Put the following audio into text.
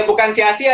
ya bukan sia sia